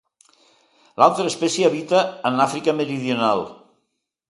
L'altra espècie habita en Àfrica meridional.